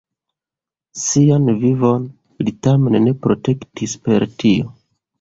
Sian vivon li tamen ne protektis per tio.